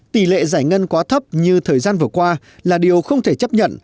tỷ lệ giải ngân quá thấp như thời gian vừa qua là điều không thể chấp nhận